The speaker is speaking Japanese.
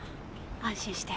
安心して。